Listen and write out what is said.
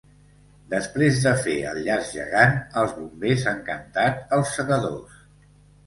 Després de fer el llaç gegant, els bombers han cantat ‘Els segadors’.